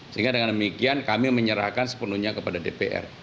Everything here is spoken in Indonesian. sehingga dengan demikian kami menyerahkan sepenuhnya kepada dpr